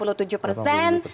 negatif tiga belas persen